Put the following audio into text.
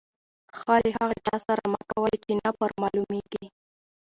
ښه له هغه چا سره مه کوئ، چي نه پر معلومېږي.